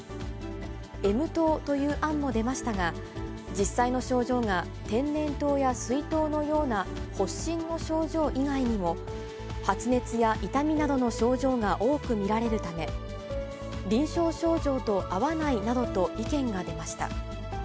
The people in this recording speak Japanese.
Ｍ痘という案も出ましたが、実際の症状が天然痘や水痘のような発疹の症状以外にも、発熱や痛みなどの症状が多く見られるため、臨床症状と合わないなどと意見が出ました。